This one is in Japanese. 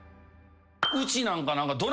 うちなんか。